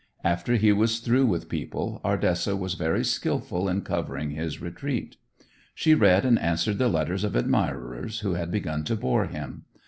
After he was through with people, Ardessa was very skilful in covering his retreat. She read and answered the letters of admirers who had begun to bore him.